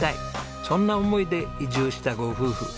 そんな思いで移住したご夫婦。